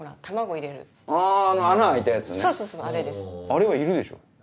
あれはいるでしょ？